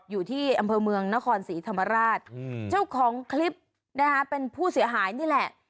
อยู่ที่อำเภอเมืองนครศรีธรรมราชเจ้าของคลิปนะคะเป็นผู้เสียหายนี่แหละ